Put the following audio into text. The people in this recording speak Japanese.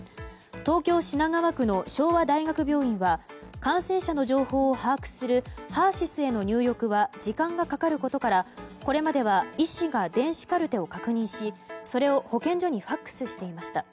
東京・品川区の昭和大学病院は感染者の情報を把握するＨＥＲ‐ＳＹＳへの入力は時間がかかることからこれまでは医師が電子カルテを確認しそれを保健所にＦＡＸしていました。